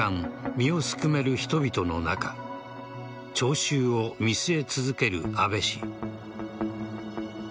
身をすくめる人々の中聴衆を見据え続ける安倍氏。